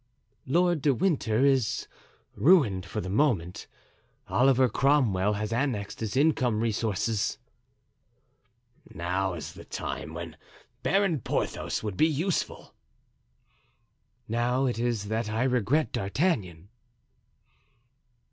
"Lord de Winter is ruined for the moment; Oliver Cromwell has annexed his income resources." "Now is the time when Baron Porthos would be useful." "Now it is that I regret D'Artagnan."